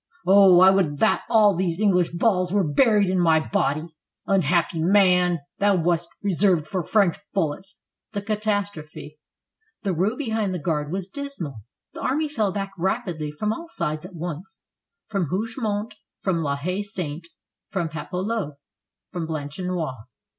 Oh! I would that all these English balls were buried in my body !" Unhappy man! thou wast reserved for French bullets! THE CATASTROPHE The rout behind the Guard was dismal. The army fell back rapidly from all sides at once, from Hougomont, from La Haye Sainte, from Papelotte, from Planchenoit.